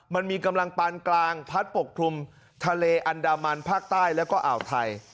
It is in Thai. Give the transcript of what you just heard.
มันมีกำลังปานกลางพัดปกคลุมทะเลอันดามันภาคใต้แล้วก็อ่าวไทย